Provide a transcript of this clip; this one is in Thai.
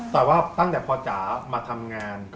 แต่ว่าตั้งแต่พอจ๋ามาทำงาน